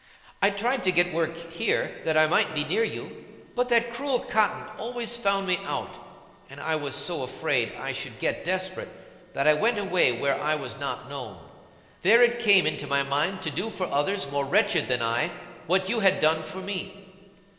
I tried to get work here, that I might be near you; but that cruel Cotton always found me out; and I was so afraid I should get desperate that I went away where I was not known. There it came into my mind to do for others more wretched than I what you had done for me.